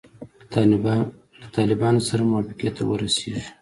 له طالبانو سره هم موافقې ته ورسیږي.